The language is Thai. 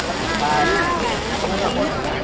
พระเจ้าข้าว